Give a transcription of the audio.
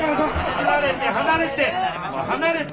離れて離れて離れて。